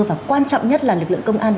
và quan trọng nhất là lực lượng công an